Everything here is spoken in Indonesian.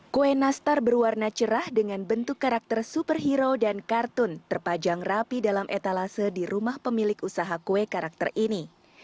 kue nastar berwarna cerah dengan bentuk karakter superhero dan kartun terpajang rapi dalam etalase di rumah pemilik usaha kue karakter ini